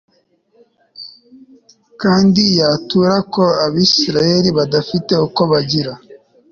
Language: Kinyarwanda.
kandi yatura ko Abisirayeli badafite uko bagira